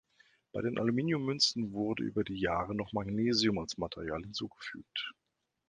Bei den Aluminium-Münzen wurde über die Jahre noch Magnesium als Material hinzugefügt.